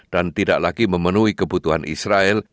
dan tidak lagi memenuhi kebutuhan israel